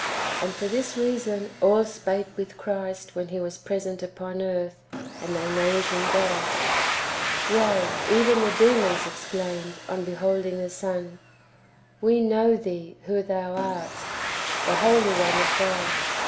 And for this reason all spake with Christ when He was present [upon earth], and they named Him God. Yea, even the demons exclaimed, on beholding the Son :" We know thee who thou art, the Holy One of God."